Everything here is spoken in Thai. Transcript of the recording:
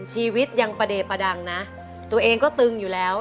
ชีวิตยังประเดประดังนะตัวเองก็ตึงอยู่แล้ว